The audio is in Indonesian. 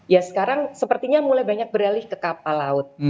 ya sekarang sepertinya mulai banyak beralih ke kapal laut